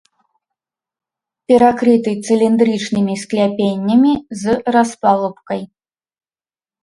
Перакрыты цыліндрычнымі скляпеннямі з распалубкай.